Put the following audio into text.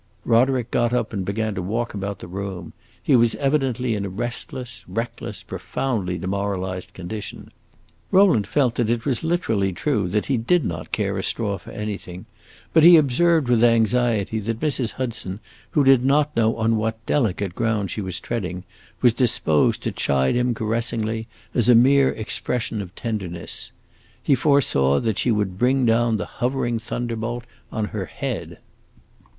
Roderick got up, and began to walk about the room; he was evidently in a restless, reckless, profoundly demoralized condition. Rowland felt that it was literally true that he did not care a straw for anything, but he observed with anxiety that Mrs. Hudson, who did not know on what delicate ground she was treading, was disposed to chide him caressingly, as a mere expression of tenderness. He foresaw that she would bring down the hovering thunderbolt on her head.